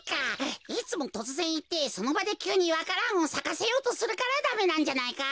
いつもとつぜんいってそのばできゅうにわか蘭をさかせようとするからダメなんじゃないか？